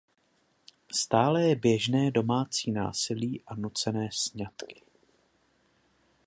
Stále je běžné domácí násilí a nucené sňatky.